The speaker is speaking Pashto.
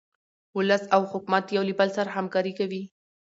ولس او حکومت یو له بل سره همکاري کوي.